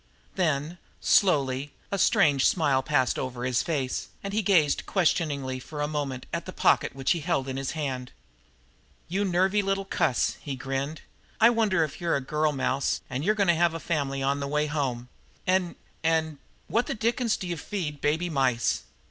Then, slowly, a strange smile passed over his face, and he gazed questioningly for a moment at the pocket which he held in his hand. "You nervy little cuss!" he grinned. "I wonder if you're a girl mouse, an' if we're goin' to have a fam'ly on the way home! An' an' what the dickens do you feed baby mice?"